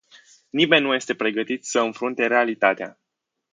Nimeni nu este pregătit să înfrunte realitatea.